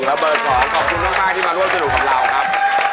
ขอบคุณมากที่มาร่วมสนุกกับเราครับ